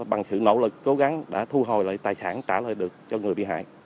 bằng sự nỗ lực cố gắng đã thu hồi lại tài sản trả lời được cho người bị hại